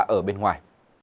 ở bên ngoài